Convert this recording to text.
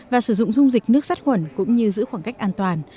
và sử dụng dung dịch nước sắt khuẩn cũng như giữ khoảng cách an toàn